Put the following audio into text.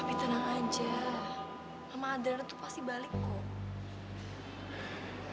papi tenang aja nama adriana tuh pasti balik kok